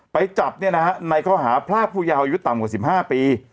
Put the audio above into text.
ไปจับเนี่ยนะฮะในข้อหาพลาดผู้ยาวอายุต่ำกว่าสิบห้าปี